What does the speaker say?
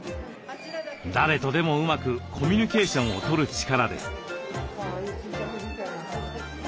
誰とでもうまくコミュニケーションをとる力です。